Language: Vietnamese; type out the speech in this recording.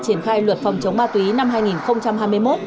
triển khai luật phòng chống ma túy năm hai nghìn hai mươi một